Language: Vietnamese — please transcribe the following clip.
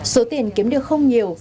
số tiền kiếm được không nhiều